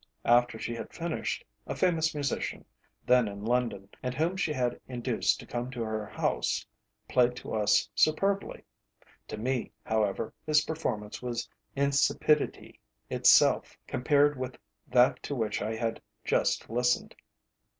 After she had finished, a famous musician, then in London, and whom she had induced to come to her house, played to us superbly. To me, however, his performance was insipidity itself compared with that to which I had just listened.